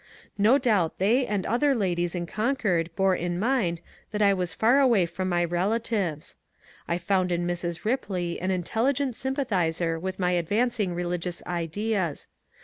No doubt they and other ladies in Concord bore in mind that I was far away from my rela tives. I found in Mrs. Ripley an intelligent sympathizer with my advancing religious ideas.